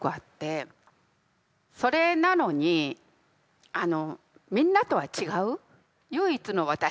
それなのにみんなとは違う唯一の私。